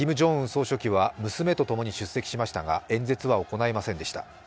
総書記は娘とともに出席しましたが、演説は行いませんでした。